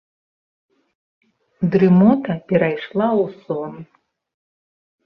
Дрымота перайшла ў сон.